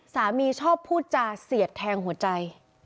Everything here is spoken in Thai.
ชอบพูดจาเสียดแทงหัวใจ